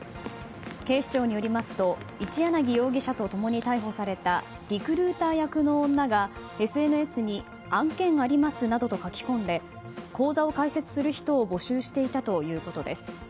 警視庁によりますと一柳容疑者と共に逮捕されたリクルーター役の女がＳＮＳに案件ありますなどと書き込んで口座を開設する人を募集していたということです。